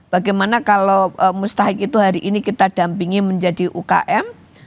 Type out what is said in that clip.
bagaimana kalau mustahik itu hari ini kita dampingi menjadi ukm